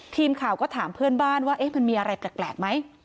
ทีมข่าวก็ถามเพื่อนบ้านว่ามันมีอะไรแปลกไหม